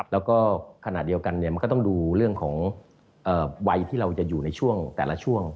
แล้วก็ขณะเดียวกันมันก็ต้องดูเรื่องของวัยที่เราจะอยู่ในช่วงแต่ละช่วง